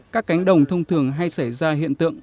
các cánh đồng thông thường hay xảy ra hiện tượng